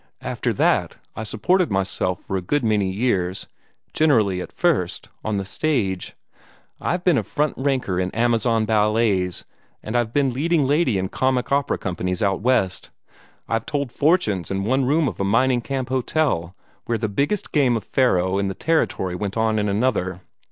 After that, I supported myself for a good many years generally, at first, on the stage. I've been a front ranker in Amazon ballets, and I've been leading lady in comic opera companies out West. I've told fortunes in one room of a mining camp hotel where the biggest game of faro in the Territory went on in another.